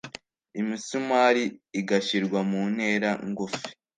imisumari igashyirwa mu ntera ngufi